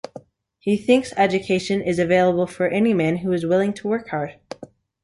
He thinks education is available for any man who is willing to work hard.